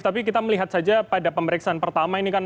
tapi kita melihat saja pada pemeriksaan pertama ini kan